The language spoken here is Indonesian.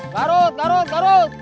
tarut tarut tarut